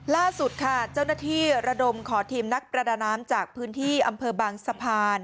ล่าสุดค่ะเจ้าหน้าที่ระดมขอทีมนักประดาน้ำจากพื้นที่อำเภอบางสะพาน